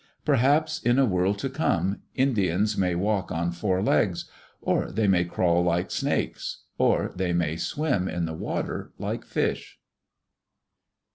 Perhaps in a world to come, Indians may walk on four legs; or they may crawl like snakes; or they may swim in the water like fish.